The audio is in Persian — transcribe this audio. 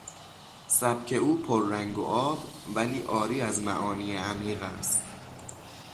سبک او پر رنگ و آب ولی عاری از معانی عمیق است.